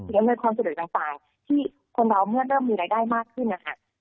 อำนวยความสะดวกต่างที่คนเราเมื่อเริ่มมีรายได้มากขึ้นนะคะ